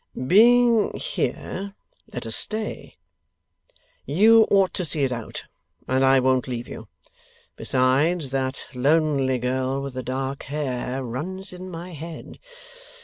'Being here, let us stay. You ought to see it out, and I won't leave you. Besides, that lonely girl with the dark hair runs in my head.